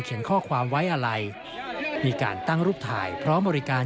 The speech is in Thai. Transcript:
ข้อความไว้อะไรมีการตั้งรูปถ่ายพร้อมบริการ